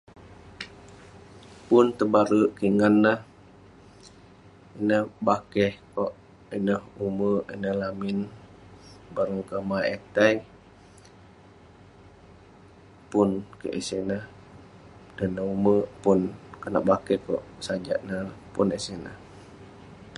Pun tebare kik ngan neh ; ineh bakeh kok, ineh ume', ineh lamin, bareng komah eh tai. Pun eh sineh. Konak ume' pun, konak bakeh kok pun eh sineh.